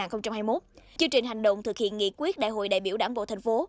chương trình hành động thực hiện nghị quyết đại hội đại biểu đảng bộ tp hcm